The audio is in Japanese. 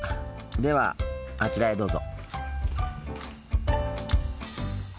ではあちらへどうぞ。